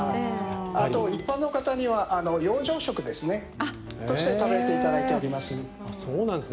あと一般の方には養生食ですね食べていただいております。